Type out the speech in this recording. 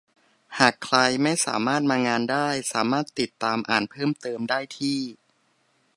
หากใครไม่สามารถมางานได้สามารถติดตามอ่านเพิ่มเติมได้ที่